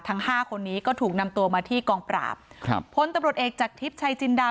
ห้าคนนี้ก็ถูกนำตัวมาที่กองปราบครับพลตำรวจเอกจากทิพย์ชัยจินดา